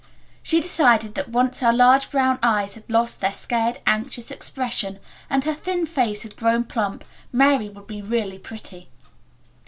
She decided that once her large brown eyes had lost their scared, anxious expression and her thin face had grown plump, Mary would be really pretty.